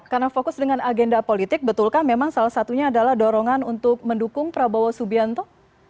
karena fokus dengan agenda politik betulkah memang salah satunya adalah dorongan untuk mendukung prabowo subianto